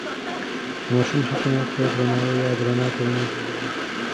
د ماشوم حقونو ته درناوی عادلانه ټولنه جوړوي.